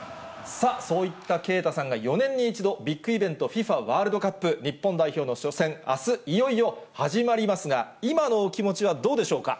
さあ、そういった啓太さんが４年に１度、ビッグイベント、ＦＩＦＡワールドカップ、日本代表の初戦、あす、いよいよ始まりますが、今のお気持ちはどうでしょうか。